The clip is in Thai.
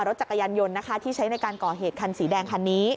รถจักรยานยนต์นะคะที่ใช้ในการก่อเหตุคันสีแดงคันนี้